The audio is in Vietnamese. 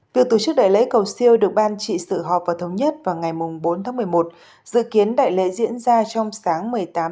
việc tổ chức đại lễ cầu siêu được ban trị sự họp và thống nhất vào ngày bốn một mươi một dự kiến đại lễ diễn ra trong sáng một mươi tám một mươi một